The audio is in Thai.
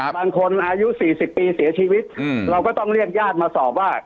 บางคนอายุ๔๐ปีเสียชีวิตเราก็ต้องเรียกญาติมาสอบว่า